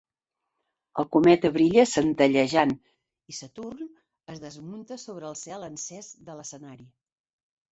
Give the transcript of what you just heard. El cometa brilla, centellejant, i Saturn es desmunta sobre el cel encès de l'escenari.